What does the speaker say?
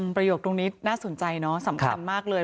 ประโยคตรงนี้น่าสนใจเนอะสำคัญมากเลย